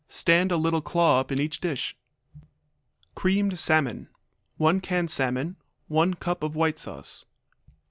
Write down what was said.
Stand a little claw up in each dish. Creamed Salmon 1 can salmon. 1 cup of white sauce.